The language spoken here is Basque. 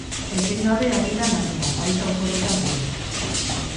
Etengabe ari da lanean, baita oporretan ere.